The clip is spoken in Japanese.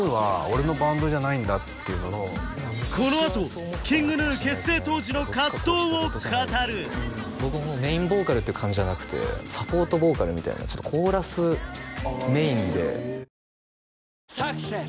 このあとＫｉｎｇＧｎｕ結成当時の葛藤を語る僕もうメインボーカルっていう感じじゃなくてサポートボーカルみたいなちょっとコーラスメインで「サクセス」